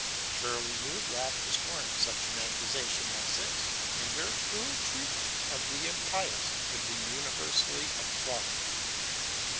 Surely you would laugh to scorn such an accusation as this; and your cruel treatment of the impious would be universally applauded.